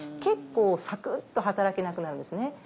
結構さくっと働けなくなるんですね。